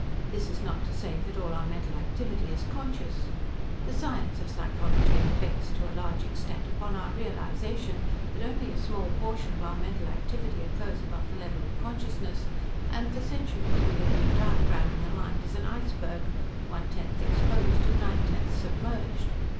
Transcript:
This is not to say that all our mental activity is conscious. The science of psychology is based, to a large extent, upon our realization that only a small portion of our mental activity occurs above the level of consciousness, and for centuries we have been diagraming the mind as an iceberg, one tenth exposed and nine tenths submerged.